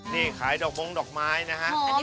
นี่ขายดอกมงดอกไม้นะฮะ